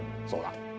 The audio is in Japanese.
そうだ。